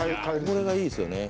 これがいいですよね。